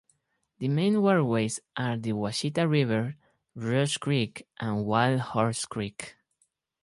The main waterways are the Washita River, Rush Creek and Wildhorse Creek.